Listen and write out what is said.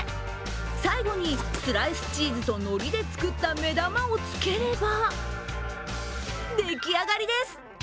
最後にスライスチーズとのりで作った目玉をつければ、できあがりです。